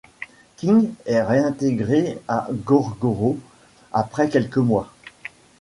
King est réintégré à Gorgoroth après quelques mois.